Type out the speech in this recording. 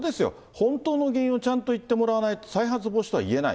本当の原因をちゃんと言ってもらわないと、再発防止とはいえない。